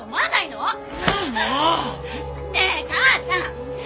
ねえ母さん！